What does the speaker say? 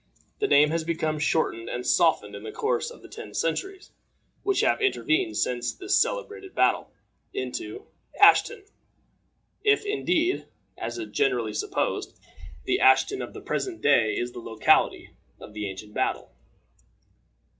The name has become shortened and softened in the course of the ten centuries which have intervened since this celebrated battle, into Aston; if, indeed, as is generally supposed, the Aston of the present day is the locality of the ancient battle.